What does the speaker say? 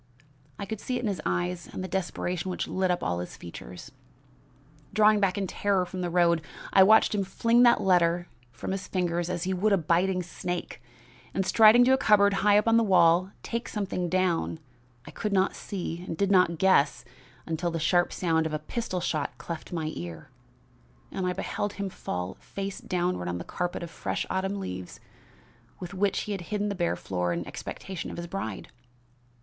I could see it in his eyes and the desperation which lit up all his features. "Drawing back in terror from the road, I watched him fling that letter of from his fingers as he would a biting snake, and, striding to a cupboard high up on the wall, take down something I could not see and did not guess at till the sharp sound of a pistol shot cleft my ear, and I beheld him fall face downward on the carpet of fresh autumn leaves with which he had hidden the bare floor in expectation of his bride.